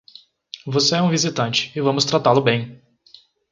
Você é um visitante e vamos tratá-lo bem.